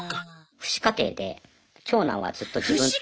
父子家庭で長男はずっと自分。